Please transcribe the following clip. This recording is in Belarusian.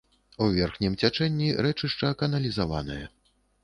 У верхнім цячэнні рэчышча каналізаванае.